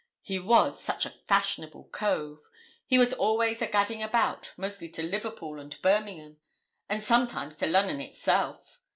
'He was such a fashionable cove:' he was always 'a gadding about, mostly to Liverpool and Birmingham, and sometimes to Lunnun, itself.'